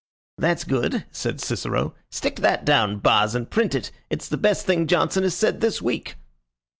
"That's good," said Cicero. "Stick that down, Boz, and print it. It's the best thing Johnson has said this week."